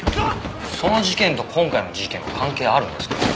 その事件と今回の事件は関係あるんですかね？